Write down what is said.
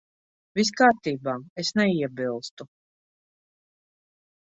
Viss kārtībā. Es neiebilstu.